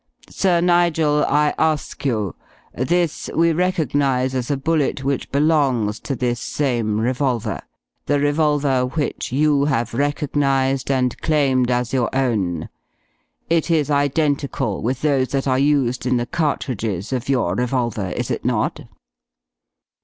"Sir Nigel, I ask you. This we recognize as a bullet which belongs to this same revolver, the revolver which you have recognized and claimed as your own. It is identical with those that are used in the cartridges of your revolver, is it not?"